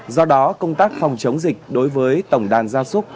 do đó công tác phòng chống dịch đối với tổng đàn gia súc